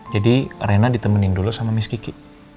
jadi rena ditemenin dulu sama miss kiki